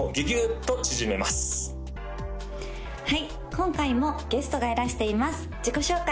今回もゲストがいらしています自己紹介